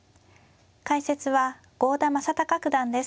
解説は郷田真隆九段です。